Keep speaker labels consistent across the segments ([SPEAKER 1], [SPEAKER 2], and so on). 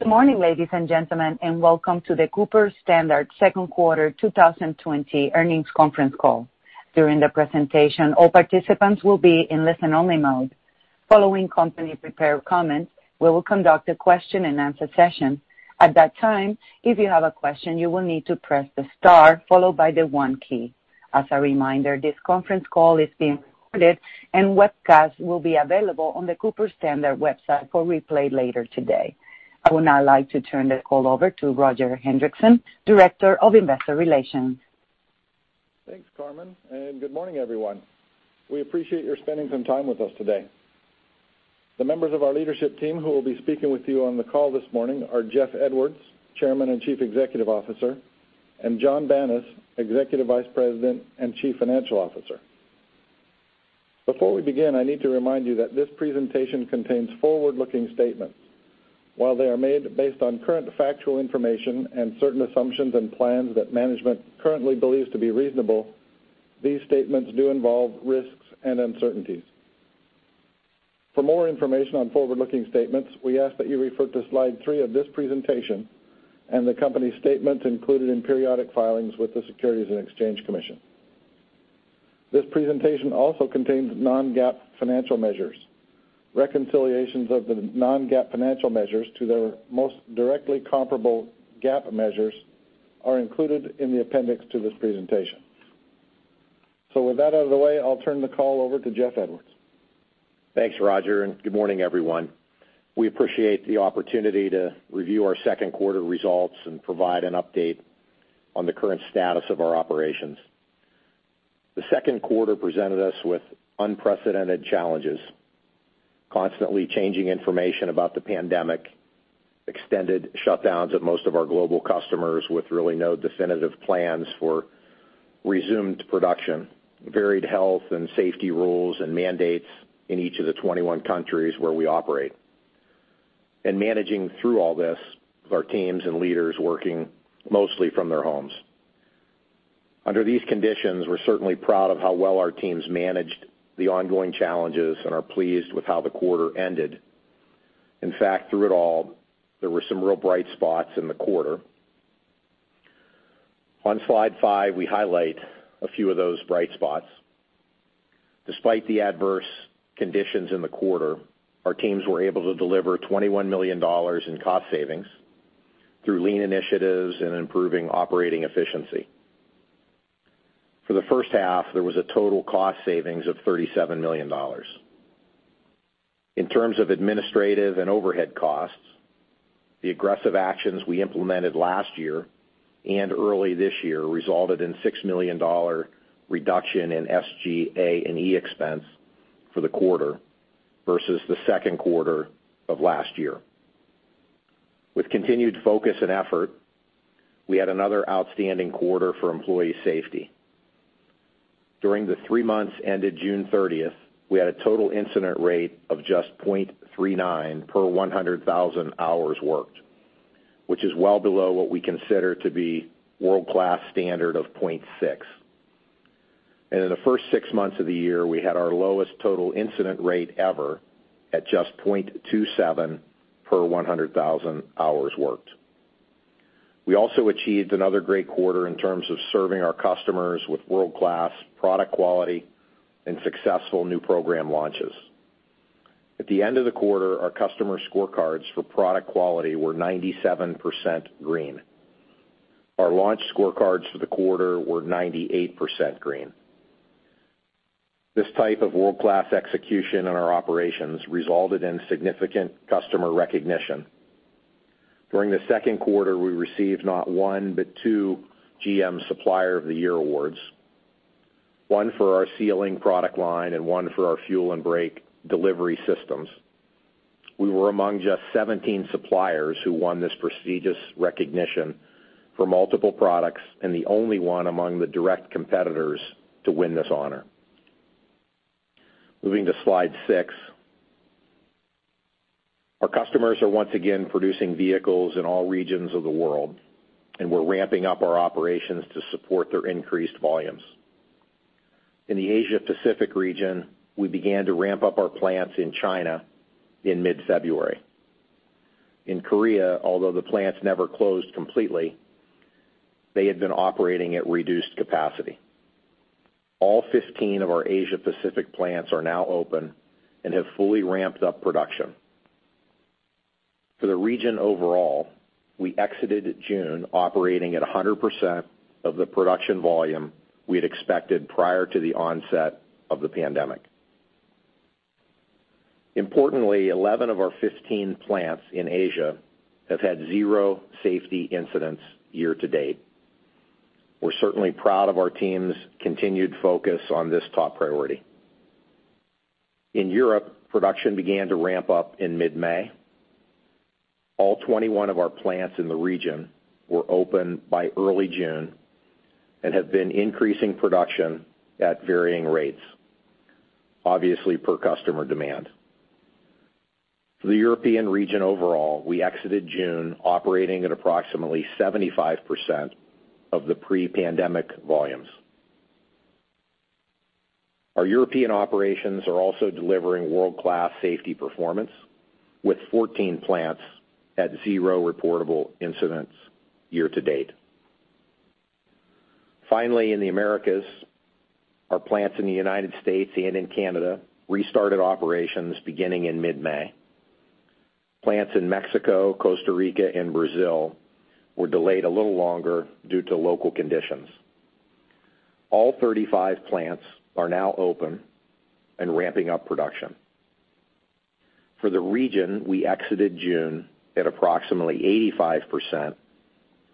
[SPEAKER 1] Good morning, ladies and gentlemen, welcome to the Cooper-Standard second quarter 2020 earnings conference call. During the presentation, all participants will be in listen-only mode. Following company prepared comments, we will conduct a question-and-answer session. At that time, if you have a question, you will need to press the star followed by the one key. As a reminder, this conference call is being recorded and webcast will be available on the Cooper-Standard website for replay later today. I would now like to turn the call over to Roger Hendriksen, Director of Investor Relations.
[SPEAKER 2] Thanks, Carmen, and good morning, everyone. We appreciate your spending some time with us today. The members of our leadership team who will be speaking with you on the call this morning are Jeff Edwards, Chairman and Chief Executive Officer, and John Banas, Executive Vice President and Chief Financial Officer. Before we begin, I need to remind you that this presentation contains forward-looking statements. While they are made based on current factual information and certain assumptions and plans that management currently believes to be reasonable, these statements do involve risks and uncertainties. For more information on forward-looking statements, we ask that you refer to slide three of this presentation and the company statements included in periodic filings with the Securities and Exchange Commission. This presentation also contains non-GAAP financial measures. Reconciliations of the non-GAAP financial measures to their most directly comparable GAAP measures are included in the appendix to this presentation. With that out of the way, I'll turn the call over to Jeff Edwards.
[SPEAKER 3] Thanks, Roger. Good morning, everyone. We appreciate the opportunity to review our second quarter results and provide an update on the current status of our operations. The second quarter presented us with unprecedented challenges, constantly changing information about the pandemic, extended shutdowns at most of our global customers with really no definitive plans for resumed production, varied health and safety rules and mandates in each of the 21 countries where we operate, managing through all this with our teams and leaders working mostly from their homes. Under these conditions, we're certainly proud of how well our teams managed the ongoing challenges and are pleased with how the quarter ended. In fact, through it all, there were some real bright spots in the quarter. On slide five, we highlight a few of those bright spots. Despite the adverse conditions in the quarter, our teams were able to deliver $21 million in cost savings through lean initiatives and improving operating efficiency. For the first half, there was a total cost savings of $37 million. In terms of administrative and overhead costs, the aggressive actions we implemented last year and early this year resulted in $6 million reduction in SG&A and E expense for the quarter versus the second quarter of last year. With continued focus and effort, we had another outstanding quarter for employee safety. During the three months ended June 30th, we had a total incident rate of just 0.39 per 100,000 hours worked, which is well below what we consider to be world-class standard of 0.6. In the first six months of the year, we had our lowest total incident rate ever at just 0.27 per 100,000 hours worked. We also achieved another great quarter in terms of serving our customers with world-class product quality and successful new program launches. At the end of the quarter, our customer scorecards for product quality were 97% green. Our launch scorecards for the quarter were 98% green. This type of world-class execution in our operations resulted in significant customer recognition. During the second quarter, we received not one, but two GM Supplier of the Year awards, one for our Sealing product line and one for our Fuel and Brake Delivery Systems. We were among just 17 suppliers who won this prestigious recognition for multiple products and the only one among the direct competitors to win this honor. Moving to slide six. Our customers are once again producing vehicles in all regions of the world, and we're ramping up our operations to support their increased volumes. In the Asia Pacific region, we began to ramp up our plants in China in mid-February. In Korea, although the plants never closed completely, they had been operating at reduced capacity. All 15 of our Asia Pacific plants are now open and have fully ramped up production. For the region overall, we exited June operating at 100% of the production volume we had expected prior to the onset of the pandemic. Importantly, 11 of our 15 plants in Asia have had zero safety incidents year to date. We're certainly proud of our team's continued focus on this top priority. In Europe, production began to ramp up in mid-May. All 21 of our plants in the region were open by early June and have been increasing production at varying rates, obviously per customer demand. For the European region overall, we exited June operating at approximately 75% of the pre-pandemic volumes. Our European operations are also delivering world-class safety performance with 14 plants at zero reportable incidents year to date. Finally, in the Americas, our plants in the U.S. and in Canada restarted operations beginning in mid-May. Plants in Mexico, Costa Rica, and Brazil were delayed a little longer due to local conditions. All 35 plants are now open and ramping up production. For the region, we exited June at approximately 85%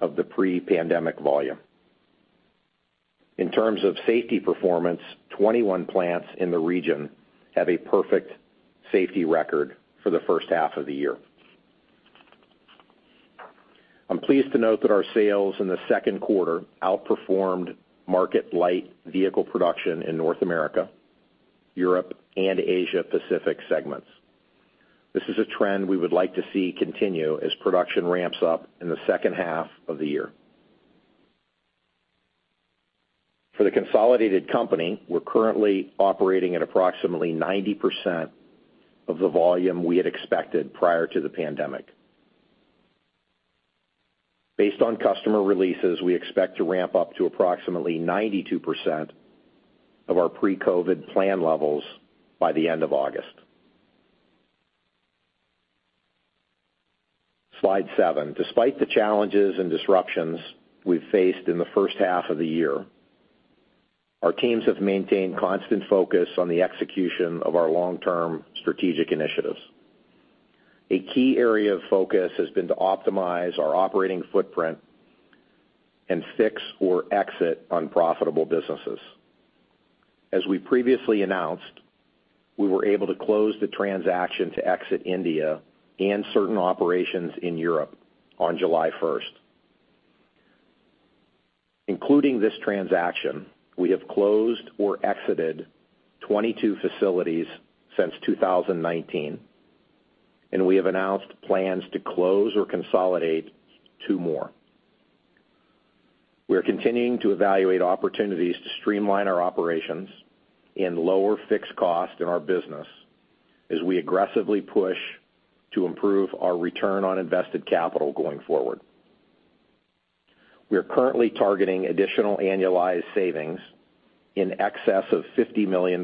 [SPEAKER 3] of the pre-pandemic volume. In terms of safety performance, 21 plants in the region have a perfect safety record for the first half of the year. I'm pleased to note that our sales in the second quarter outperformed market light vehicle production in North America, Europe, and Asia Pacific segments. This is a trend we would like to see continue as production ramps up in the second half of the year. For the consolidated company, we're currently operating at approximately 90% of the volume we had expected prior to the pandemic. Based on customer releases, we expect to ramp up to approximately 92% of our pre-COVID-19 plan levels by the end of August. Slide seven. Despite the challenges and disruptions we've faced in the first half of the year, our teams have maintained constant focus on the execution of our long-term strategic initiatives. A key area of focus has been to optimize our operating footprint and fix or exit unprofitable businesses. As we previously announced, we were able to close the transaction to exit India and certain operations in Europe on July 1st. Including this transaction, we have closed or exited 22 facilities since 2019, and we have announced plans to close or consolidate two more. We are continuing to evaluate opportunities to streamline our operations and lower fixed costs in our business as we aggressively push to improve our return on invested capital going forward. We are currently targeting additional annualized savings in excess of $50 million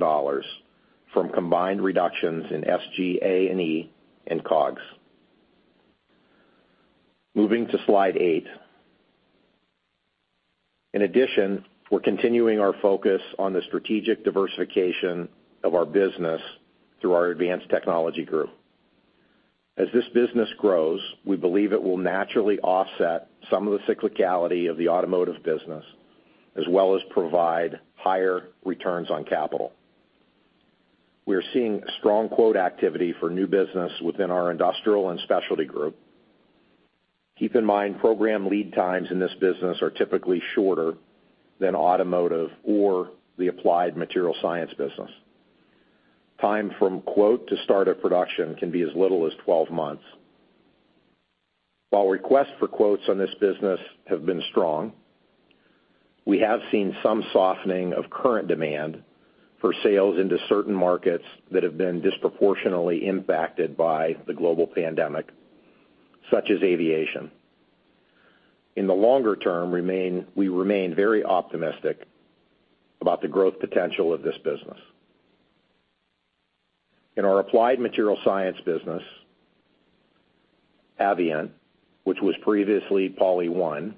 [SPEAKER 3] from combined reductions in SG&A&E and COGS. Moving to slide eight. We're continuing our focus on the strategic diversification of our business through our Advanced Technology Group. As this business grows, we believe it will naturally offset some of the cyclicality of the automotive business, as well as provide higher returns on capital. We are seeing strong quote activity for new business within our Industrial and Specialty Group. Keep in mind, program lead times in this business are typically shorter than automotive or the Applied Materials Science business. Time from quote to start of production can be as little as 12 months. While requests for quotes on this business have been strong, we have seen some softening of current demand for sales into certain markets that have been disproportionately impacted by the global pandemic, such as aviation. In the longer term, we remain very optimistic about the growth potential of this business. In our Applied Materials Science business, Avient, which was previously PolyOne,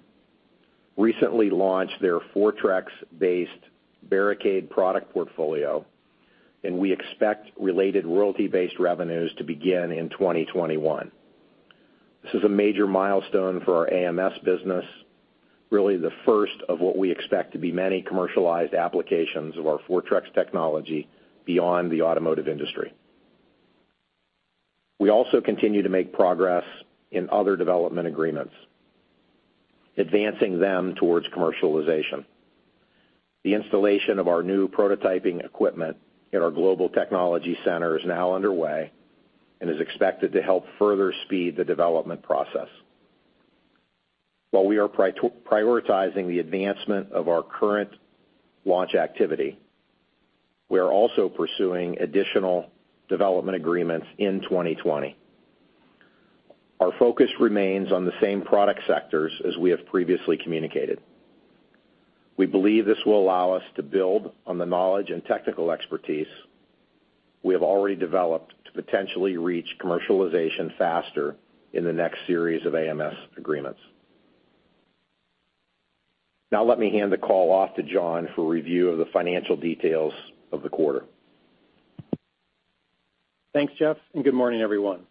[SPEAKER 3] recently launched their Fortrex-based Barricade product portfolio, and we expect related royalty-based revenues to begin in 2021. This is a major milestone for our AMS business, really the first of what we expect to be many commercialized applications of our Fortrex technology beyond the automotive industry. We also continue to make progress in other development agreements, advancing them towards commercialization. The installation of our new prototyping equipment at our global technology center is now underway and is expected to help further speed the development process. While we are prioritizing the advancement of our current launch activity, we are also pursuing additional development agreements in 2020. Our focus remains on the same product sectors as we have previously communicated. We believe this will allow us to build on the knowledge and technical expertise we have already developed to potentially reach commercialization faster in the next series of AMS agreements. Now let me hand the call off to John for review of the financial details of the quarter.
[SPEAKER 4] Thanks, Jeff, and good morning, everyone.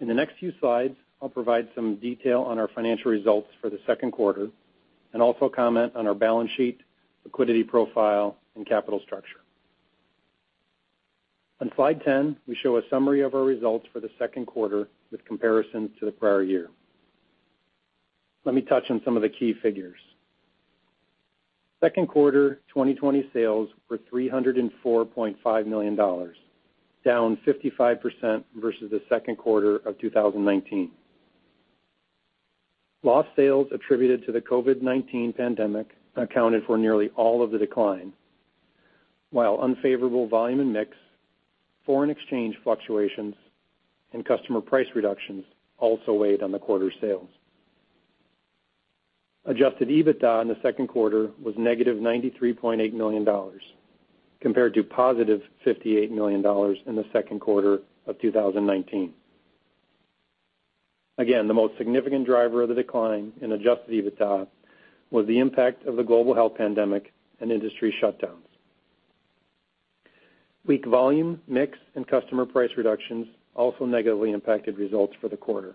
[SPEAKER 4] In the next few slides, I'll provide some detail on our financial results for the second quarter and also comment on our balance sheet, liquidity profile, and capital structure. On slide 10, we show a summary of our results for the second quarter with comparison to the prior year. Let me touch on some of the key figures. Second quarter 2020 sales were $304.5 million, down 55% versus the second quarter of 2019. Lost sales attributed to the COVID-19 pandemic accounted for nearly all of the decline, while unfavourable volume and mix, foreign exchange fluctuations, and customer price reductions also weighed on the quarter sales. Adjusted EBITDA in the second quarter was -$93.8 million compared to positive $58 million in the second quarter of 2019. The most significant driver of the decline in adjusted EBITDA was the impact of the global health pandemic and industry shutdowns. Weak volume, mix, and customer price reductions also negatively impacted results for the quarter.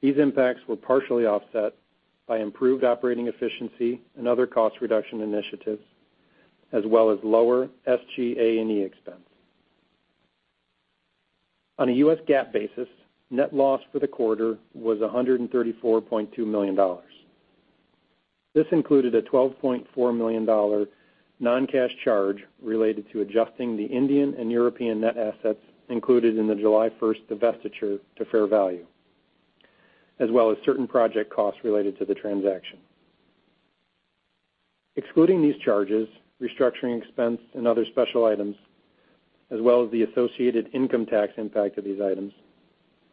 [SPEAKER 4] These impacts were partially offset by improved operating efficiency and other cost reduction initiatives, as well as lower SG&A and E expense. On a US GAAP basis, net loss for the quarter was $134.2 million. This included a $12.4 million non-cash charge related to adjusting the Indian and European net assets included in the July 1st divestiture to fair value, as well as certain project costs related to the transaction. Excluding these charges, restructuring expense, and other special items, as well as the associated income tax impact of these items,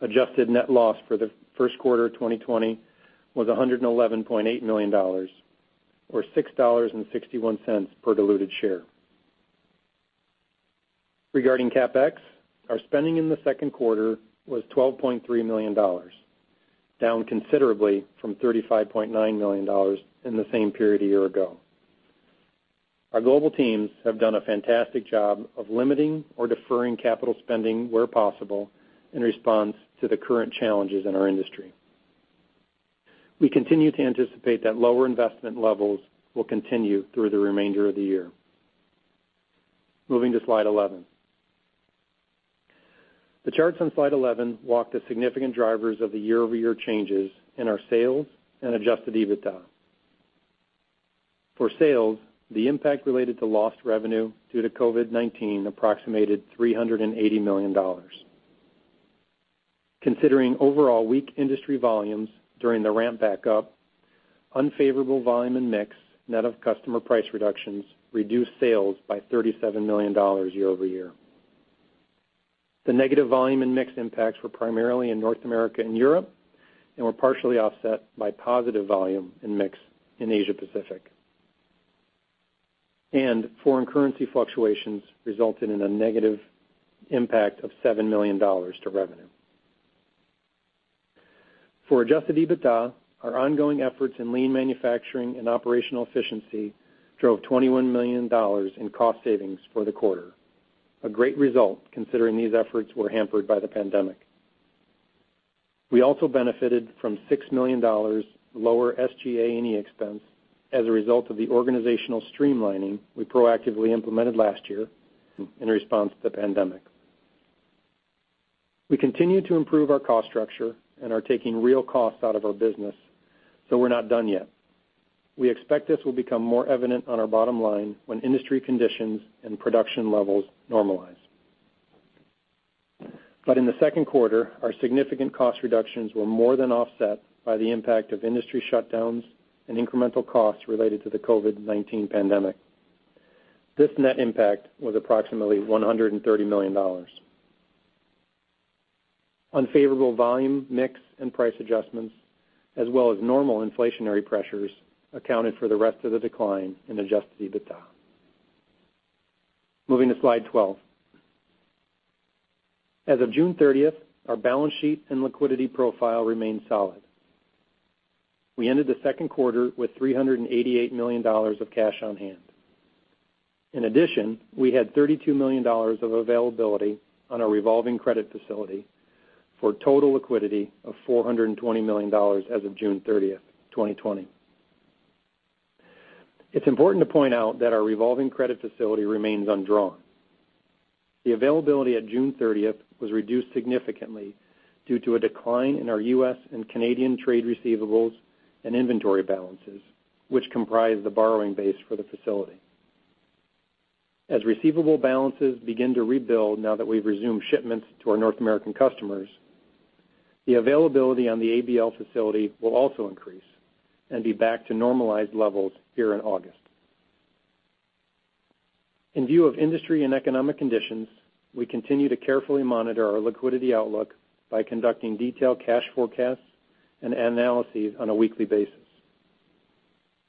[SPEAKER 4] adjusted net loss for the first quarter 2020 was $111.8 million or $6.61 per diluted share. Regarding CapEx, our spending in the second quarter was $12.3 million, down considerably from $35.9 million in the same period a year ago. Our global teams have done a fantastic job of limiting or deferring capital spending where possible in response to the current challenges in our industry. We continue to anticipate that lower investment levels will continue through the remainder of the year. Moving to slide 11. The charts on slide 11 walk the significant drivers of the year-over-year changes in our sales and adjusted EBITDA. For sales, the impact related to lost revenue due to COVID-19 approximated $380 million. Considering overall weak industry volumes during the ramp back up, unfavorable volume and mix, net of customer price reductions reduced sales by $37 million year-over-year. The negative volume and mix impacts were primarily in North America and Europe, and were partially offset by positive volume and mix in Asia Pacific. Foreign currency fluctuations resulted in a negative impact of $7 million to revenue. For adjusted EBITDA, our ongoing efforts in lean manufacturing and operational efficiency drove $21 million in cost savings for the quarter. A great result considering these efforts were hampered by the pandemic. We also benefited from $6 million lower SG&A and E expense as a result of the organizational streamlining we proactively implemented last year in response to the pandemic. We continue to improve our cost structure and are taking real costs out of our business. We're not done yet. We expect this will become more evident on our bottom line when industry conditions and production levels normalize. In the second quarter, our significant cost reductions were more than offset by the impact of industry shutdowns and incremental costs related to the COVID-19 pandemic. This net impact was approximately $130 million. Unfavorable volume, mix, and price adjustments, as well as normal inflationary pressures accounted for the rest of the decline in adjusted EBITDA. Moving to slide 12. As of June 30th, our balance sheet and liquidity profile remained solid. We ended the second quarter with $388 million of cash on hand. In addition, we had $32 million of availability on our revolving credit facility for total liquidity of $420 million as of June 30th, 2020. It's important to point out that our revolving credit facility remains undrawn. The availability at June 30th was reduced significantly due to a decline in our U.S. and Canadian trade receivables and inventory balances, which comprise the borrowing base for the facility. As receivable balances begin to rebuild now that we've resumed shipments to our North American customers, the availability on the ABL facility will also increase and be back to normalized levels here in August. In view of industry and economic conditions, we continue to carefully monitor our liquidity outlook by conducting detailed cash forecasts and analyses on a weekly basis.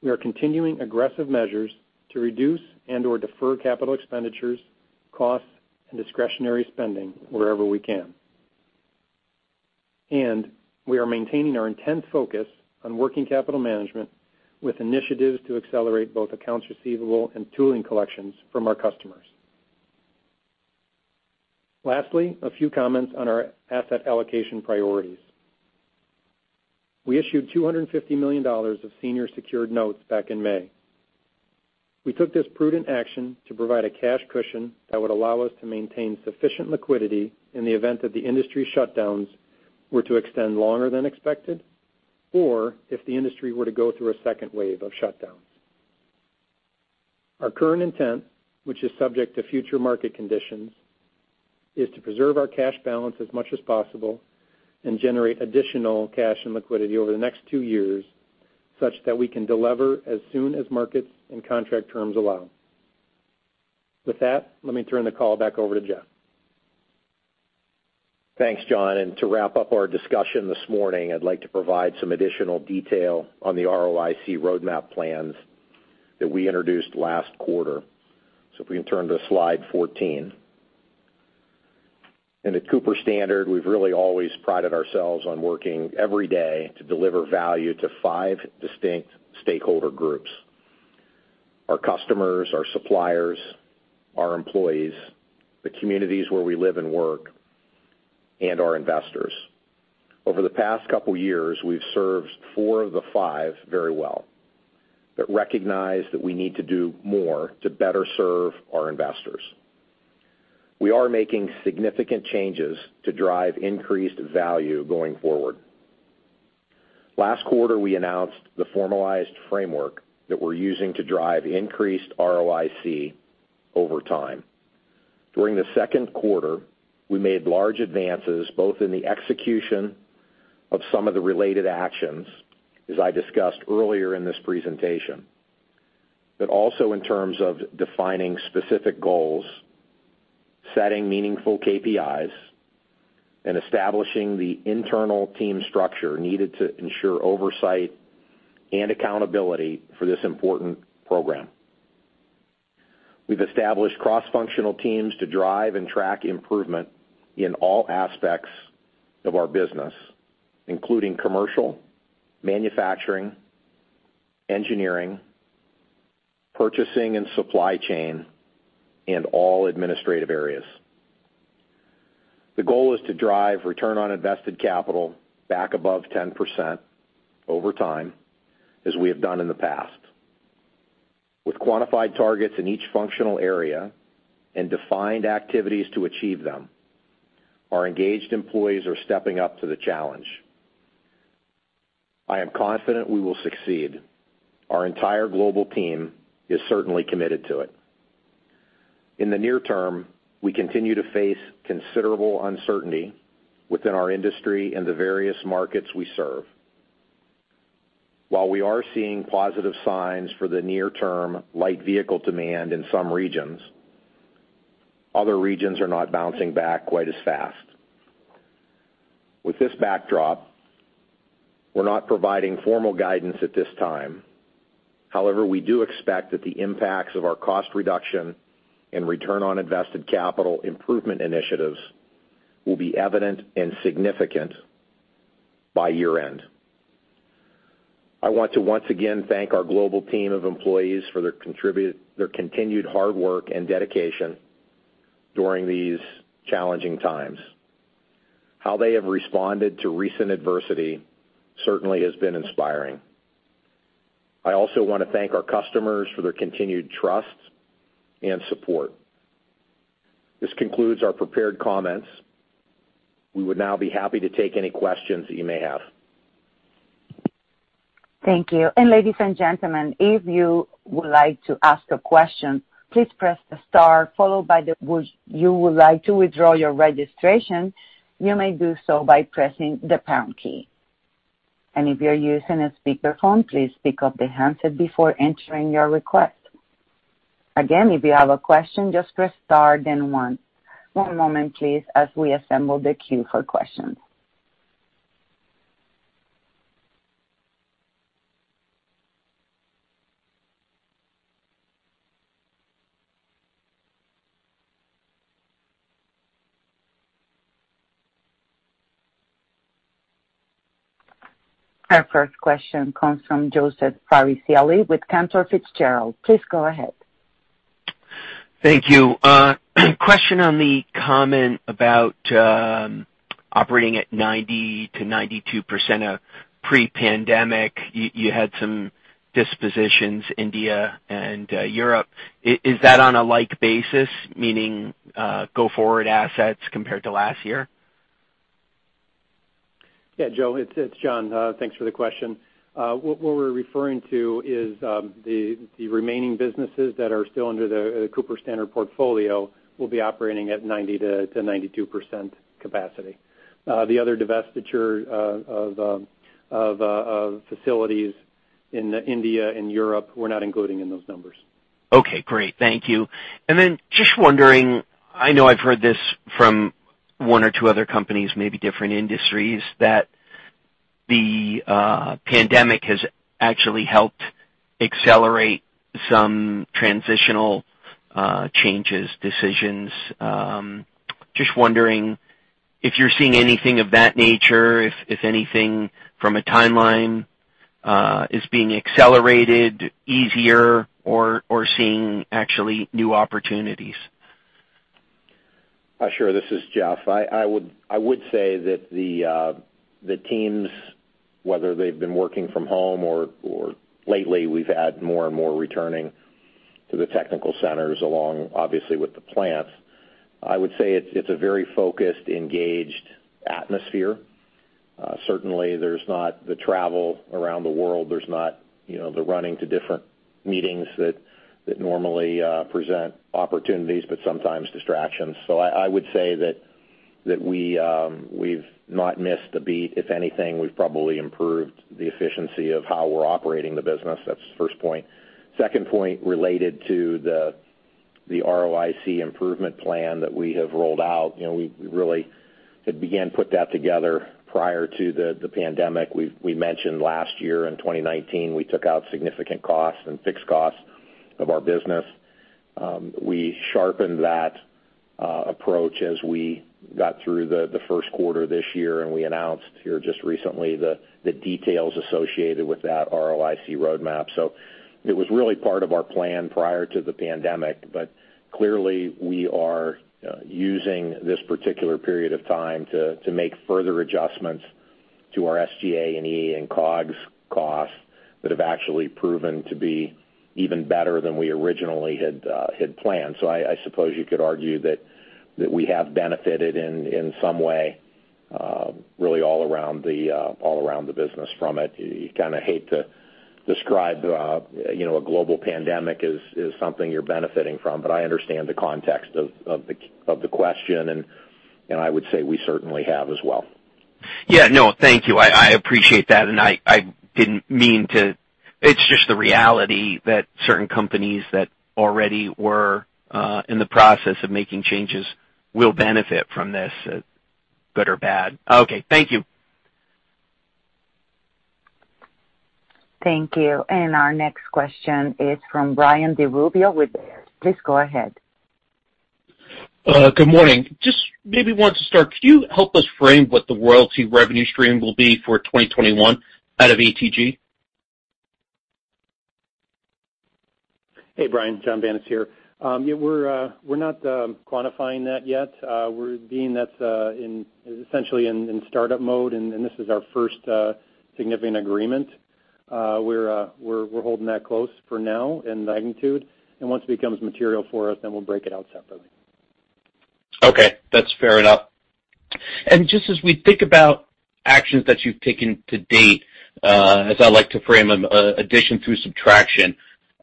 [SPEAKER 4] We are continuing aggressive measures to reduce and or defer capital expenditures, costs, and discretionary spending wherever we can. We are maintaining our intense focus on working capital management with initiatives to accelerate both accounts receivable and tooling collections from our customers. Lastly, a few comments on our asset allocation priorities. We issued $250 million of senior secured notes back in May. We took this prudent action to provide a cash cushion that would allow us to maintain sufficient liquidity in the event that the industry shutdowns were to extend longer than expected, or if the industry were to go through a second wave of shutdowns. Our current intent, which is subject to future market conditions, is to preserve our cash balance as much as possible and generate additional cash and liquidity over the next two years such that we can delever as soon as markets and contract terms allow. With that, let me turn the call back over to Jeff.
[SPEAKER 3] Thanks, John. To wrap up our discussion this morning, I'd like to provide some additional detail on the ROIC roadmap plans that we introduced last quarter. If we can turn to slide 14. At Cooper-Standard, we've really always prided ourselves on working every day to deliver value to five distinct stakeholder groups: our customers, our suppliers, our employees, the communities where we live and work, and our investors. Over the past couple of years, we've served four of the five very well, but recognize that we need to do more to better serve our investors. We are making significant changes to drive increased value going forward. Last quarter, we announced the formalized framework that we're using to drive increased ROIC over time. During the second quarter, we made large advances, both in the execution of some of the related actions, as I discussed earlier in this presentation, but also in terms of defining specific goals, setting meaningful KPIs, and establishing the internal team structure needed to ensure oversight and accountability for this important program. We've established cross-functional teams to drive and track improvement in all aspects of our business, including commercial, manufacturing, engineering, purchasing and supply chain, and all administrative areas. The goal is to drive return on invested capital back above 10% over time, as we have done in the past. With quantified targets in each functional area and defined activities to achieve them, our engaged employees are stepping up to the challenge. I am confident we will succeed. Our entire global team is certainly committed to it. In the near term, we continue to face considerable uncertainty within our industry and the various markets we serve. While we are seeing positive signs for the near-term light vehicle demand in some regions, other regions are not bouncing back quite as fast. With this backdrop, we're not providing formal guidance at this time. However, we do expect that the impacts of our cost reduction and return on invested capital improvement initiatives will be evident and significant by year-end. I want to once again thank our global team of employees for their continued hard work and dedication during these challenging times. How they have responded to recent adversity certainly has been inspiring. I also want to thank our customers for their continued trust and support. This concludes our prepared comments. We would now be happy to take any questions that you may have.
[SPEAKER 1] Thank you. Ladies and gentlemen, if you would like to ask a question, please press star. If you would like to withdraw your registration, you may do so by pressing the pound key. If you're using a speakerphone, please pick up the handset before entering your request. Again, if you have a question, just press star then one. One moment, please, as we assemble the queue for questions. Our first question comes from Joseph Farricielli with Cantor Fitzgerald. Please go ahead.
[SPEAKER 5] Thank you. Question on the comment about operating at 90%-92% of pre-pandemic. You had some dispositions, India and Europe. Is that on a like basis, meaning go forward assets compared to last year?
[SPEAKER 4] Yeah, Joe, it's John. Thanks for the question. What we're referring to is the remaining businesses that are still under the Cooper-Standard portfolio will be operating at 90%-92% capacity. The other divestiture of facilities in India and Europe, we're not including in those numbers.
[SPEAKER 5] Okay, great. Thank you. Just wondering, I know I've heard this from one or two other companies, maybe different industries, that the pandemic has actually helped accelerate some transitional changes, decisions. Just wondering if you're seeing anything of that nature, if anything from a timeline is being accelerated easier or seeing actually new opportunities.
[SPEAKER 3] Sure. This is Jeff. I would say that the teams, whether they've been working from home or lately, we've had more and more returning to the technical centers along, obviously, with the plants. I would say it's a very focused, engaged atmosphere. Certainly, there's not the travel around the world, there's not the running to different meetings that normally present opportunities, but sometimes distractions. I would say that we've not missed a beat. If anything, we've probably improved the efficiency of how we're operating the business. That's the first point. Second point related to the ROIC improvement plan that we have rolled out. We really had began put that together prior to the pandemic. We mentioned last year in 2019, we took out significant costs and fixed costs of our business. We sharpened that approach as we got through the first quarter this year. We announced here just recently the details associated with that ROIC roadmap. It was really part of our plan prior to the pandemic. Clearly, we are using this particular period of time to make further adjustments to our SG&A and E and COGS costs that have actually proven to be even better than we originally had planned. I suppose you could argue that we have benefited in some way really all around the business from it. You kind of hate to describe a global pandemic as something you're benefiting from, I understand the context of the question, and I would say we certainly have as well.
[SPEAKER 5] Yeah. No, thank you. I appreciate that. It's just the reality that certain companies that already were in the process of making changes will benefit from this, good or bad. Okay. Thank you.
[SPEAKER 1] Thank you. Our next question is from Brian DiRubbio with Baird. Please go ahead.
[SPEAKER 6] Good morning. Just maybe want to start, could you help us frame what the royalty revenue stream will be for 2021 out of ATG?
[SPEAKER 4] Hey, Brian. John Banas here. Yeah, we're not quantifying that yet. That's essentially in startup mode. This is our first significant agreement. We're holding that close for now in magnitude. Once it becomes material for us, then we'll break it out separately.
[SPEAKER 6] Okay. That's fair enough. Just as we think about actions that you've taken to date, as I like to frame them, addition through subtraction,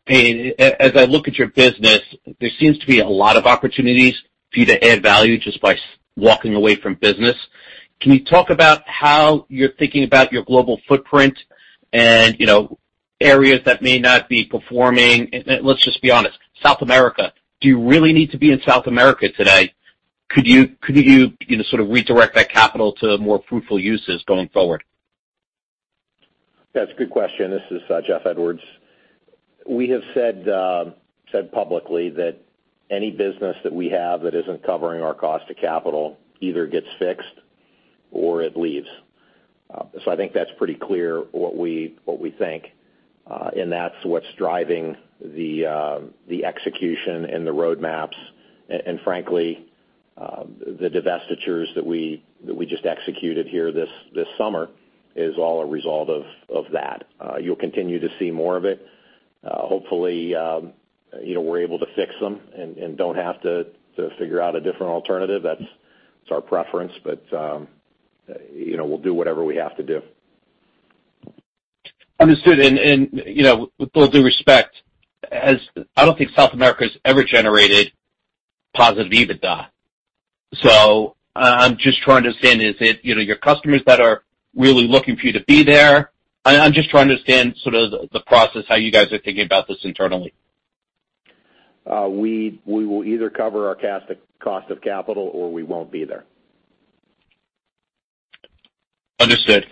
[SPEAKER 6] as I look at your business, there seems to be a lot of opportunities for you to add value just by walking away from business. Can you talk about how you're thinking about your global footprint and areas that may not be performing? Let's just be honest, South America, do you really need to be in South America today? Could you sort of redirect that capital to more fruitful uses going forward?
[SPEAKER 3] That's a good question. This is Jeff Edwards. We have said publicly that any business that we have that isn't covering our cost of capital either gets fixed or it leaves. I think that's pretty clear what we think. That's what's driving the execution and the roadmaps. Frankly, the divestitures that we just executed here this summer is all a result of that. You'll continue to see more of it. Hopefully, we're able to fix them and don't have to figure out a different alternative. That's our preference. We'll do whatever we have to do.
[SPEAKER 6] Understood. With all due respect, I don't think South America's ever generated positive EBITDA. I'm just trying to understand, is it your customers that are really looking for you to be there? I'm just trying to understand sort of the process, how you guys are thinking about this internally.
[SPEAKER 3] We will either cover our cost of capital, or we won't be there.
[SPEAKER 6] Understood.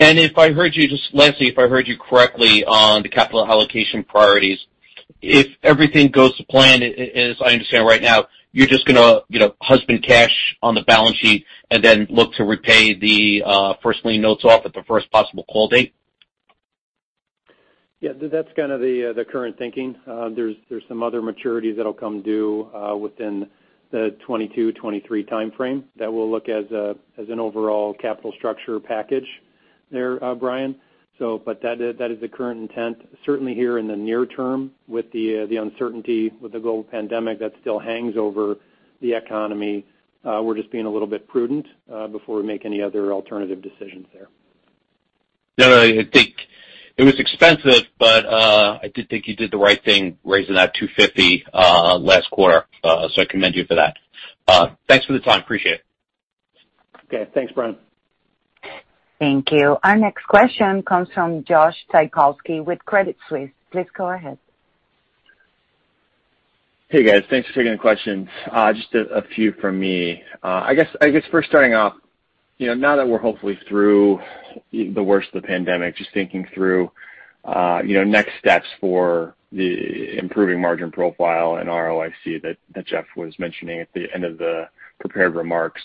[SPEAKER 6] If I heard you just lastly, if I heard you correctly on the capital allocation priorities, if everything goes to plan, as I understand right now, you're just going to husband cash on the balance sheet and then look to repay the first lien notes off at the first possible call date?
[SPEAKER 4] Yeah, that's kind of the current thinking. There's some other maturities that'll come due within the 2022, 2023 time-frame that we'll look as an overall capital structure package there, Brian. That is the current intent. Certainly here in the near term with the uncertainty with the global pandemic that still hangs over the economy, we're just being a little bit prudent before we make any other alternative decisions there.
[SPEAKER 6] No, I think it was expensive, but I did think you did the right thing raising that $250 last quarter. I commend you for that. Thanks for the time. Appreciate it.
[SPEAKER 4] Okay. Thanks, Brian.
[SPEAKER 1] Thank you. Our next question comes from Josh Taykowski with Credit Suisse. Please go ahead.
[SPEAKER 7] Hey, guys. Thanks for taking the questions. Just a few from me. I guess first starting off, now that we're hopefully through the worst of the pandemic, just thinking through next steps for the improving margin profile and ROIC that Jeff was mentioning at the end of the prepared remarks.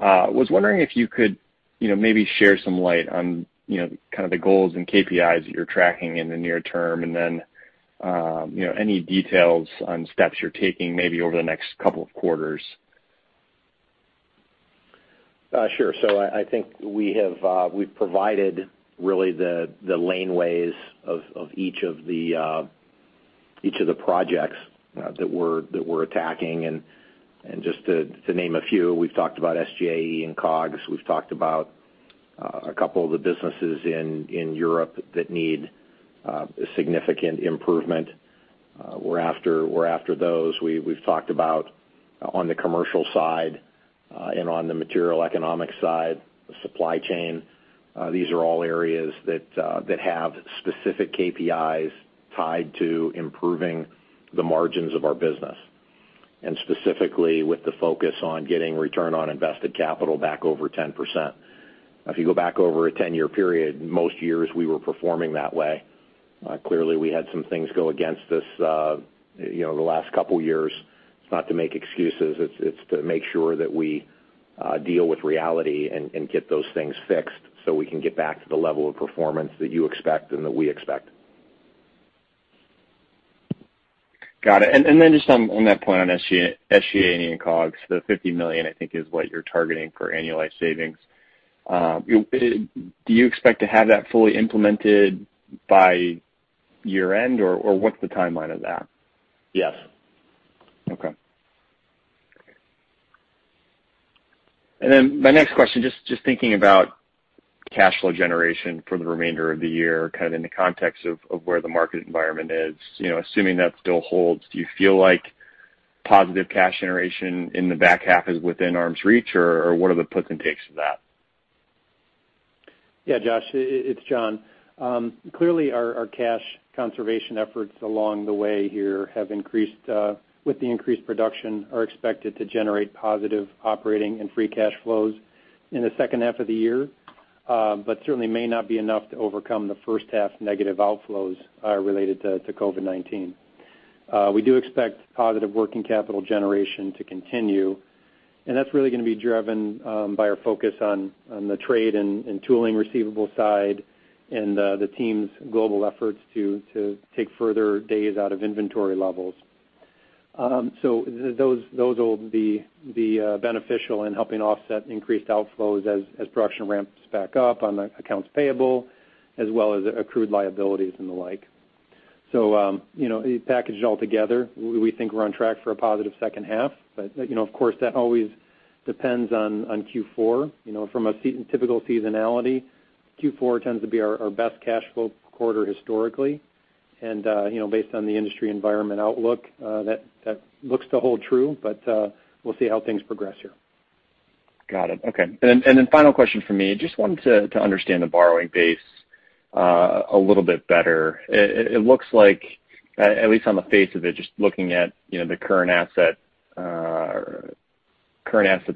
[SPEAKER 7] Was wondering if you could maybe share some light on kind of the goals and KPIs that you're tracking in the near term, and then any details on steps you're taking maybe over the next couple of quarters.
[SPEAKER 3] Sure. I think we've provided really the lane-ways of each of the projects that we're attacking. Just to name a few, we've talked about SG&A&E and COGS. We've talked about a couple of the businesses in Europe that need a significant improvement. We're after those. We've talked about on the commercial side and on the material economic side, the supply chain. These are all areas that have specific KPIs tied to improving the margins of our business, and specifically with the focus on getting return on invested capital back over 10%. If you go back over a 10-year period, most years we were performing that way. Clearly, we had some things go against us the last couple of years. It's not to make excuses. It's to make sure that we deal with reality and get those things fixed so we can get back to the level of performance that you expect and that we expect.
[SPEAKER 7] Got it. Just on that point on SG&A&E and COGS, the $50 million, I think, is what you're targeting for annualized savings. Do you expect to have that fully implemented by year-end, or what's the timeline of that?
[SPEAKER 3] Yes.
[SPEAKER 7] Okay. My next question, just thinking about cash flow generation for the remainder of the year, kind of in the context of where the market environment is. Assuming that still holds, do you feel like positive cash generation in the back half is within arm's reach, or what are the puts and takes of that?
[SPEAKER 4] Yeah, Josh, it's John. Clearly, our cash conservation efforts along the way here have increased with the increased production, are expected to generate positive operating and free cash flows in the second half of the year. Certainly may not be enough to overcome the first half negative outflows related to COVID-19. We do expect positive working capital generation to continue, and that's really going to be driven by our focus on the trade and tooling receivable side and the team's global efforts to take further days out of inventory levels. Those will be beneficial in helping offset increased outflows as production ramps back up on the accounts payable as well as accrued liabilities and the like. Packaged all together, we think we're on track for a positive second half. Of course, that always depends on Q4. From a typical seasonality, Q4 tends to be our best cash flow quarter historically. Based on the industry environment outlook, that looks to hold true, but we'll see how things progress here.
[SPEAKER 7] Got it. Okay. Then final question from me. Just wanted to understand the borrowing base a little bit better. It looks like, at least on the face of it, just looking at the current assets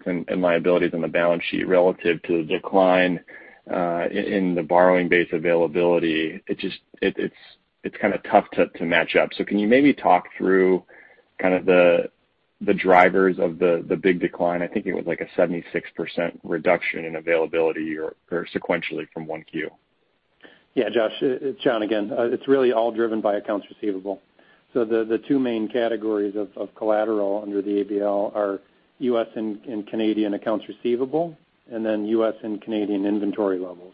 [SPEAKER 7] and liabilities on the balance sheet relative to the decline in the borrowing base availability, it's kind of tough to match up. Can you maybe talk through kind of the drivers of the big decline? I think it was like a 76% reduction in availability year or sequentially from one Q.
[SPEAKER 4] Yeah, Josh. It's John again. It's really all driven by accounts receivable. The two main categories of collateral under the ABL are U.S. and Canadian accounts receivable, and then U.S. and Canadian inventory levels.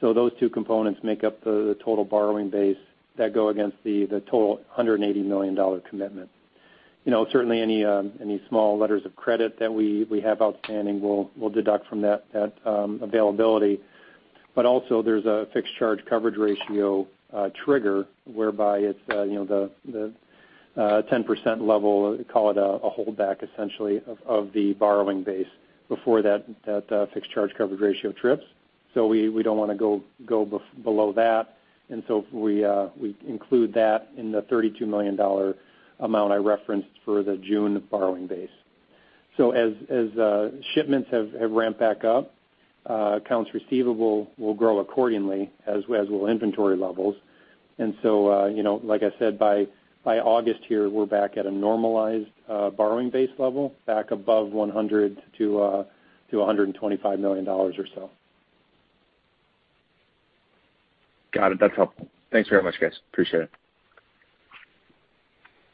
[SPEAKER 4] Those two components make up the total borrowing base that go against the total $180 million commitment. Certainly any small letters of credit that we have outstanding, we'll deduct from that availability. Also, there's a fixed charge coverage ratio trigger whereby it's the 10% level, call it a holdback, essentially, of the borrowing base before that fixed charge coverage ratio trips. We don't want to go below that, and so we include that in the $32 million amount I referenced for the June borrowing base. As shipments have ramped back up, accounts receivable will grow accordingly, as will inventory levels. Like I said, by August here, we're back at a normalized borrowing base level, back above $100 million-$125 million or so.
[SPEAKER 7] Got it. That's helpful. Thanks very much, guys. Appreciate it.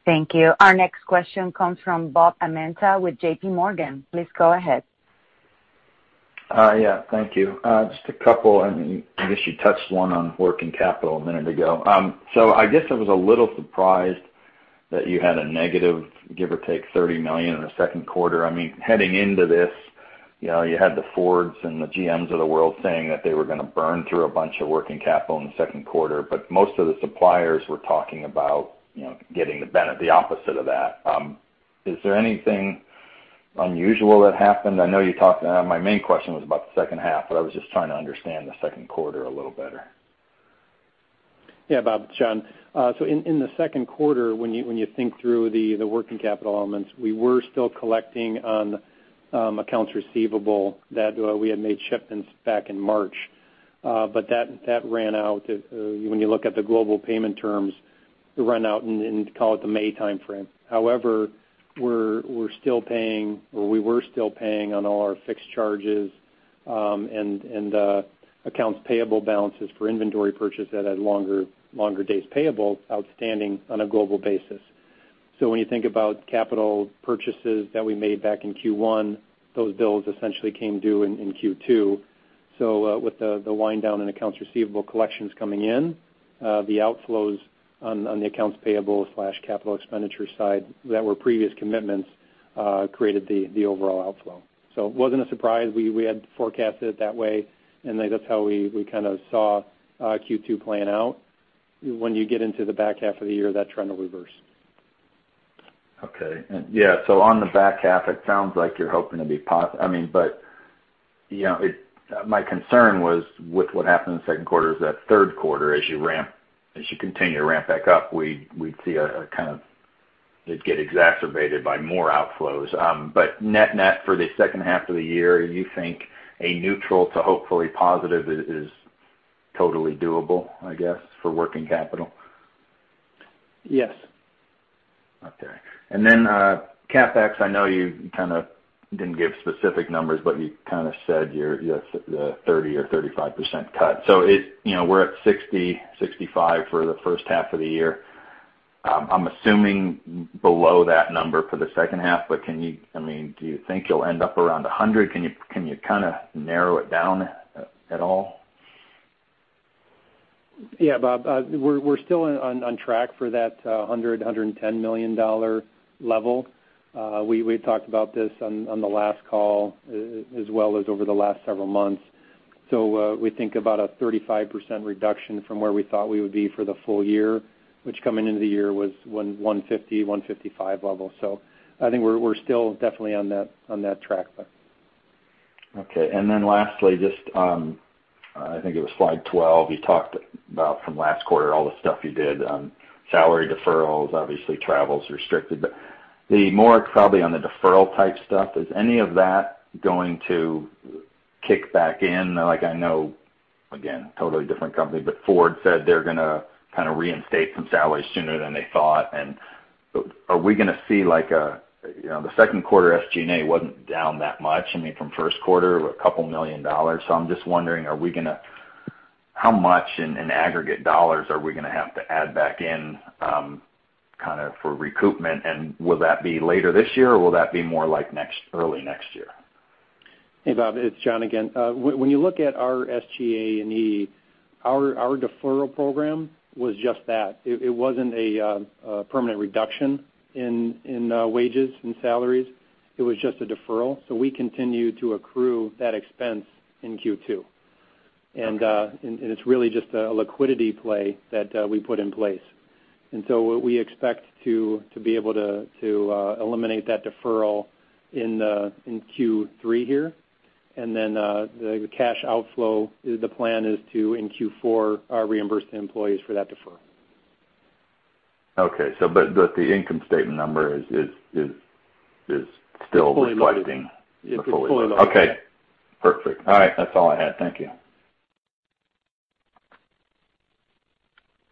[SPEAKER 1] Thank you. Our next question comes from Bob Amenta with JP Morgan. Please go ahead.
[SPEAKER 8] Thank you. Just a couple, I guess you touched one on working capital a minute ago. I guess I was a little surprised that you had a negative, give or take, $30 million in the second quarter. Heading into this, you had the Fords and the GMs of the world saying that they were going to burn through a bunch of working capital in the second quarter. Most of the suppliers were talking about getting the benefit the opposite of that. Is there anything unusual that happened? My main question was about the second half, I was just trying to understand the second quarter a little better.
[SPEAKER 4] Yeah, Bob, it's John. In the second quarter, when you think through the working capital elements, we were still collecting on accounts receivable that we had made shipments back in March. That ran out. When you look at the global payment terms, they run out in, call it the May time-frame. However, we're still paying, or we were still paying on all our fixed charges and accounts payable balances for inventory purchase that had longer days payable outstanding on a global basis. When you think about capital purchases that we made back in Q1, those bills essentially came due in Q2. With the wind down in accounts receivable collections coming in, the outflows on the accounts payable/capital expenditure side that were previous commitments created the overall outflow. It wasn't a surprise. We had forecasted it that way, and that's how we kind of saw Q2 playing out. When you get into the back half of the year, that trend will reverse.
[SPEAKER 8] Okay. Yeah, on the back half, it sounds like you're hoping to be My concern was with what happened in the second quarter is that third quarter, as you continue to ramp back up, we'd see it get exacerbated by more outflows. Net for the second half of the year, you think a neutral to hopefully positive is totally doable, I guess, for working capital?
[SPEAKER 4] Yes.
[SPEAKER 8] Okay. Then CapEx, I know you kind of didn't give specific numbers, but you kind of said your 30% or 35% cut. We're at $60, $65 for the first half of the year. I'm assuming below that number for the second half, but do you think you'll end up around $100? Can you kind of narrow it down at all?
[SPEAKER 4] Yeah, Bob. We're still on track for that $100 million-$110 million level. We talked about this on the last call as well as over the last several months. We think about a 35% reduction from where we thought we would be for the full year, which coming into the year was $150 million-$155 million level. I think we're still definitely on that track there.
[SPEAKER 8] Lastly, just I think it was slide 12, you talked about from last quarter all the stuff you did on salary deferrals, obviously travel's restricted. More probably on the deferral type stuff, is any of that going to kick back in? I know, again, totally different company, Ford said they're going to kind of reinstate some salaries sooner than they thought. Are we going to see The second quarter SG&A wasn't down that much from first quarter, a couple million dollars. I'm just wondering, how much in aggregate dollars are we going to have to add back in for recoupment, and will that be later this year, or will that be more early next year?
[SPEAKER 4] Hey, Bob, it's John again. When you look at our SG&E, our deferral program was just that. It wasn't a permanent reduction in wages and salaries. It was just a deferral. We continue to accrue that expense in Q2. It's really just a liquidity play that we put in place. What we expect to be able to eliminate that deferral in Q3 here, and then the cash outflow, the plan is to, in Q4, reimburse the employees for that deferral.
[SPEAKER 8] Okay. The income statement number is still reflecting-
[SPEAKER 4] It's fully loaded.
[SPEAKER 8] Okay, perfect. All right. That's all I had. Thank you.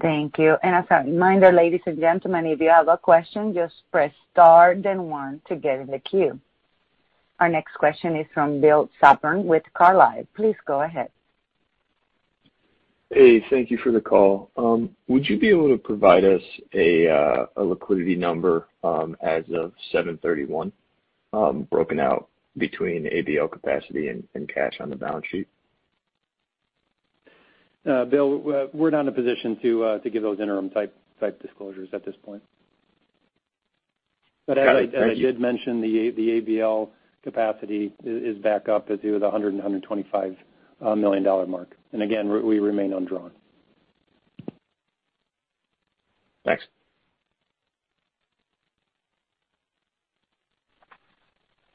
[SPEAKER 1] Thank you. As a reminder, ladies and gentlemen, if you have a question, just press star then one to get in the queue. Our next question is from Brian Sponheimer with Gabelli Funds. Please go ahead.
[SPEAKER 9] Hey, thank you for the call. Would you be able to provide us a liquidity number as of 7/31 broken out between ABL capacity and cash on the balance sheet?
[SPEAKER 4] Bill, we're not in a position to give those interim type disclosures at this point.
[SPEAKER 9] Got it. Thank you.
[SPEAKER 4] As I did mention, the ABL capacity is back up to the $100 million and $125 million mark. Again, we remain undrawn.
[SPEAKER 9] Thanks.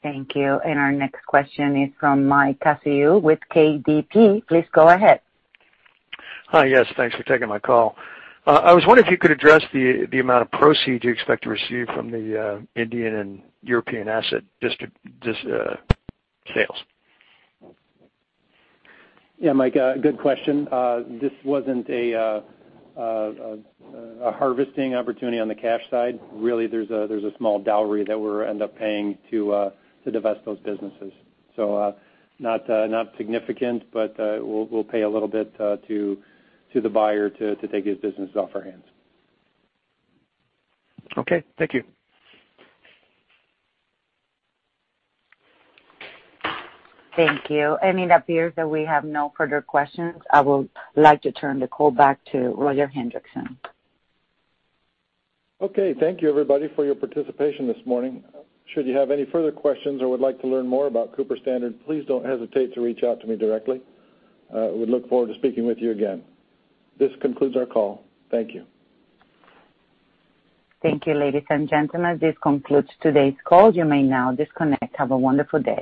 [SPEAKER 1] Thank you. Our next question is from Mike Picariello with KDP. Please go ahead.
[SPEAKER 10] Hi. Yes, thanks for taking my call. I was wondering if you could address the amount of proceeds you expect to receive from the Indian and European asset sales.
[SPEAKER 4] Yeah, Mike, good question. This wasn't a harvesting opportunity on the cash side. Really, there's a small dowry that we'll end up paying to divest those businesses. Not significant, but we'll pay a little bit to the buyer to take his business off our hands.
[SPEAKER 10] Okay. Thank you.
[SPEAKER 1] Thank you. It appears that we have no further questions. I would like to turn the call back to Roger Hendriksen.
[SPEAKER 2] Okay. Thank you everybody for your participation this morning. Should you have any further questions or would like to learn more about Cooper-Standard, please don't hesitate to reach out to me directly. We look forward to speaking with you again. This concludes our call. Thank you.
[SPEAKER 1] Thank you, ladies and gentlemen. This concludes today's call. You may now disconnect. Have a wonderful day.